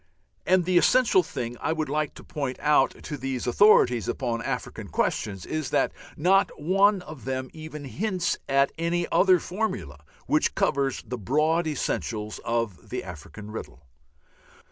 And the essential thing I would like to point out to these authorities upon African questions is that not one of them even hints at any other formula which covers the broad essentials of the African riddle.